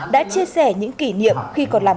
đã chia sẻ những kỷ niệm